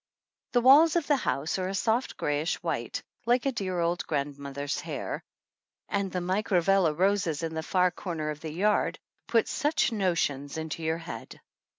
The walls of the house are a soft grayish white, like a dear old grandmother's hair; and the mycra vella roses in the far corner of the yard put such notions into your head